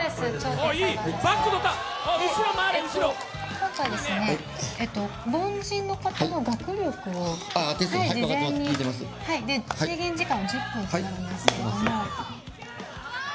今回、凡人の方の学力を事前に、制限時間は１０分となるんですけれども。